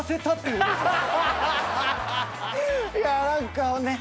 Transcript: いや何かね